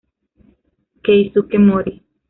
Keisuke Mori